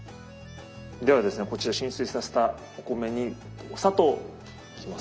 ではですねこちら浸水させたお米にお砂糖いきます。